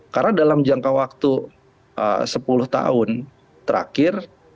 karena dalam jangka waktu sepuluh tahun terakhir